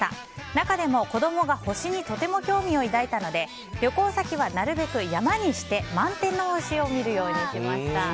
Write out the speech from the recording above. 中でも子供が星にとても興味を抱いたので旅行先はなるべく山にして満天の星を見るようにしました。